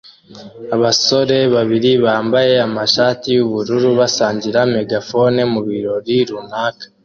Abasore babiri bambaye amashati yubururu basangira megafone mubirori runaka